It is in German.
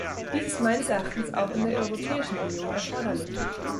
Dies ist meines Erachtens auch in der Europäischen Union erforderlich.